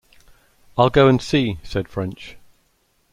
"I'll go and see," said French.